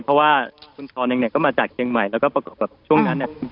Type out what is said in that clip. เพราะว่าคุณทรเองเนี่ยก็มาจากเชียงใหม่แล้วก็ประกอบกับช่วงนั้นเนี่ย